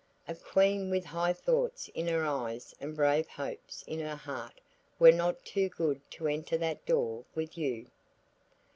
A queen with high thoughts in her eyes and brave hopes in her heart were not too good to enter that door with you.